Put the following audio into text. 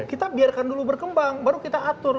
kita biarkan dulu berkembang baru kita atur